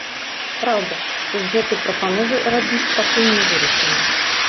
Праўда, што з гэтай прапановай рабіць, пакуль не вырашана.